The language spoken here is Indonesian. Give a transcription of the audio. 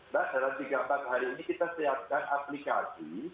mbak dalam tiga empat hari ini kita siapkan aplikasi